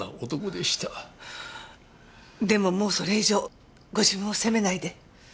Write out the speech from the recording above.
でももうそれ以上ご自分を責めないで。